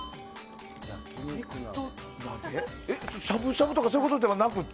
しゃぶしゃぶとかそういうことではなくて？